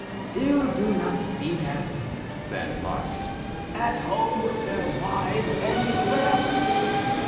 "You do not see them," said Martin, "at home with their wives and brats.